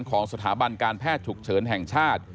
ของสถาบันการแพทย์ฉุกเฉินแห่งชาติ